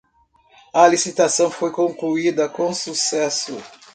A licitação foi concluída com sucesso